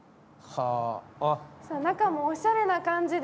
中もおしゃれな感じで。